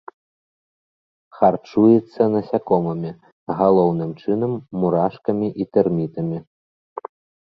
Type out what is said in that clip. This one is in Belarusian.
Харчуецца насякомымі, галоўным чынам мурашкамі і тэрмітамі.